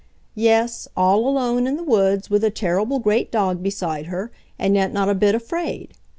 Yes, all alone in the woods with a terrible great dog beside her, and yet not a bit afraid.